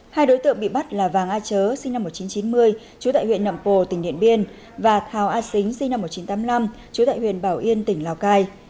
hai đối tượng bị bắt là vàng a chớ sinh năm một nghìn chín trăm chín mươi chú tại huyện nậm pồ tỉnh điện biên và thảo a xính sinh năm một nghìn chín trăm tám mươi năm chú tại huyện bảo yên tỉnh lào cai